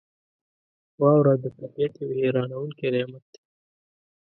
• واوره د طبعیت یو حیرانونکی نعمت دی.